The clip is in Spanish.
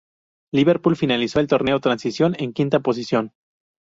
Liverpool finalizó el torneo transición en quinta posición.